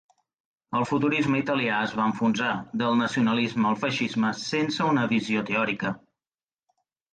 El futurisme italià es va enfonsar, del nacionalisme al feixisme, sense una visió teòrica.